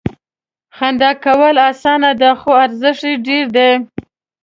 • خندا کول اسانه دي، خو ارزښت یې ډېر دی.